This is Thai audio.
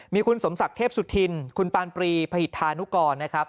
มีคุณสมศักดิ์เทพสุธินคุณปานปรีพหิตธานุกรนะครับ